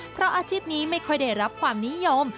เพราะอาชีพนี้ไม่ค่อยได้รับความนิยม